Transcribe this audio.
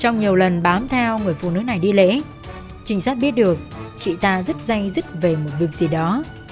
trong nhiều lần bám theo người phụ nữ này đi lễ trinh sát biết được chị ta rất dây dứt về một việc gì đó